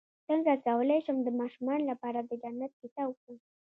څنګه کولی شم د ماشومانو لپاره د جنت کیسه وکړم